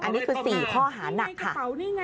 อันนี้คือ๔ข้อหานักค่ะ